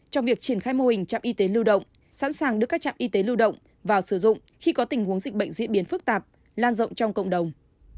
cho việc triển khai mô hình trạm y tế lưu động sẵn sàng đưa các trạm y tế lưu động vào sử dụng khi có tình huống dịch bệnh diễn biến phức tạp lan rộng trong cộng đồng